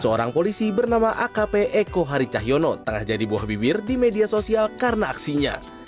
seorang polisi bernama akp eko hari cahyono tengah jadi buah bibir di media sosial karena aksinya